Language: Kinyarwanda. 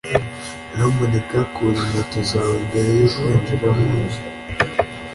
nyamuneka kura inkweto zawe mbere yo kwinjira munzu